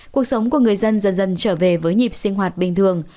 cuộc sống của người dân dần dần trở về với nhịp sinh hoạt bình thường